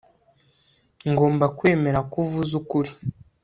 ngomba kwemera ko uvuze ukuri